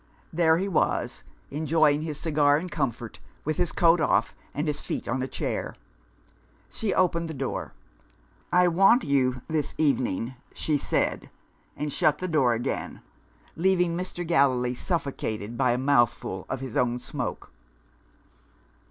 There he was, enjoying his cigar in comfort, with his coat off and his feet on a chair. She opened the door. "I want you, this evening," she said and shut the door again; leaving Mr. Gallilee suffocated by a mouthful of his own smoke.